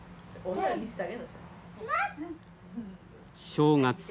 正月。